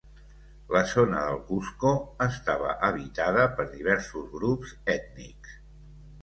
La zona del Cusco estava habitada per diversos grups ètnics.